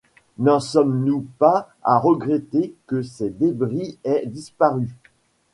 N’en sommes-nous pas à regretter que ces débris aient disparu?